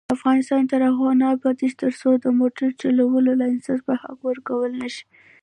افغانستان تر هغو نه ابادیږي، ترڅو د موټر چلولو لایسنس په حق ورکړل نشي.